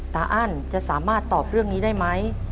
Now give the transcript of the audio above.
อั้นจะสามารถตอบเรื่องนี้ได้ไหม